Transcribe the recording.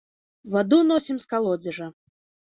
Ваду носім з калодзежа.